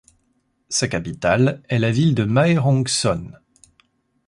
Sa capitale est la ville de Mae Hong Son.